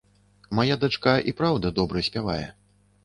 Мая дачка, і праўда, добра спявае.